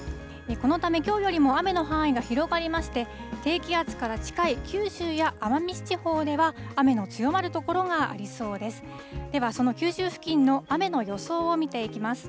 このため、きょうよりも雨の範囲が広がりまして、低気圧から近い九州や奄美地方では、雨の強まる所がありそうです。